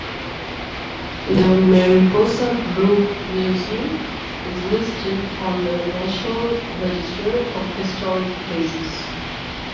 The Mariposa Grove Museum is listed on the National Register of Historic Places.